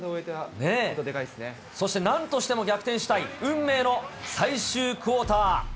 そしてなんとしても逆転したい運命の最終クオーター。